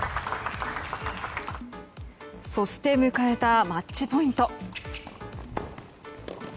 そして迎えたマッチポイント。